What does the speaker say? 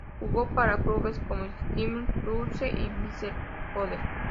Jugó para clubes como el Shimizu S-Pulse y Vissel Kobe.